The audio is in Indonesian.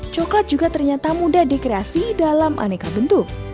coklat juga ternyata mudah dikreasi dalam aneka bentuk